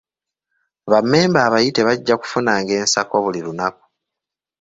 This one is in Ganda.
Bammemba abayite bajja kufunanga ensako buli lunaku.